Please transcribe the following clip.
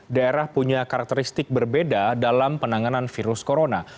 daerah punya karakteristik berbeda dalam penanganan virus corona